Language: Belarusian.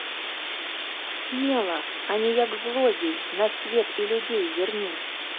Смела, а не як злодзей, на свет і людзей зірні!